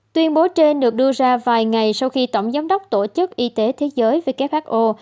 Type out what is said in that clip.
tuyên bố trên được đưa ra vài ngày sau khi tổng giám đốc tổ chức y tế thế giới who